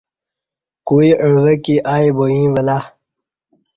کوئی عوہ کی ا ئی با ایں ولہ